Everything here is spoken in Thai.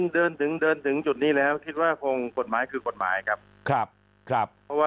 เดินถึงเดินถึงจุดนี้แล้วคิดว่าคงกฎหมายคือกฎหมายครับ